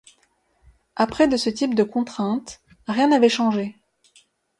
Après de ce type de contraintes, rien n'avait changé.